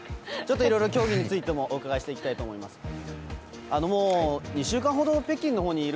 いろいろ競技についてもお伺いしていきたいと思います。